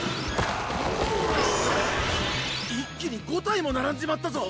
一気に５体も並んじまったぞ！